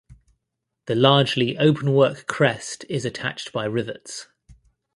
The largely openwork crest is attached by rivets.